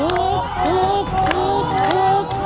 ถูก